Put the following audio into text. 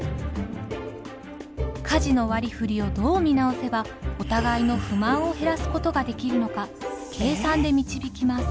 家事の割りふりをどう見直せばお互いの不満を減らすことができるのか計算で導きます。